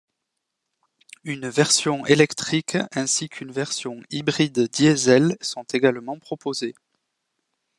Une version électrique ainsi qu'une version hybride-diesel sont également proposés.